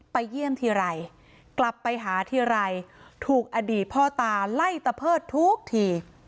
เยี่ยมทีไรกลับไปหาทีไรถูกอดีตพ่อตาไล่ตะเพิดทุกที